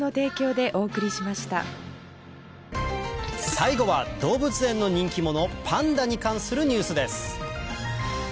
最後は動物園の人気者パンダに関するニュースです